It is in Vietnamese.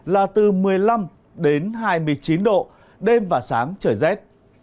là từ một mươi năm đến hai mươi chín độ đêm và sáng trời rét